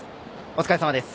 お疲れさまです。